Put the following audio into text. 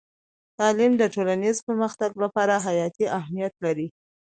تعلیم د ټولنیز پرمختګ لپاره حیاتي اهمیت لري.